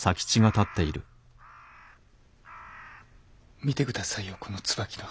見て下さいよこの椿の花。